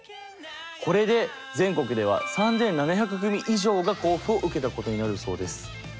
これで全国では３，７００組以上が交付を受けたことになるそうです。